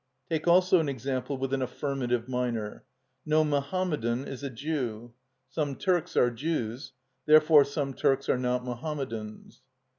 Take also an example with an affirmative minor: No Mohamedan is a Jew; Some Turks are Jews: Therefore some Turks are not Mohamedans.